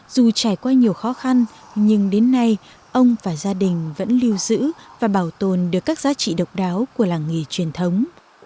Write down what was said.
dù trải qua nhiều khó khăn nhưng đến nay ông và gia đình vẫn lưu giữ và bảo tồn được các giá trị độc đáo của làng nghề truyền thống